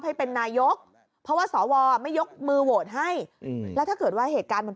ให้เป็นนายกเพราะว่าสวไม่ยกมือโหวตให้แล้วถ้าเกิดว่าเหตุการณ์มัน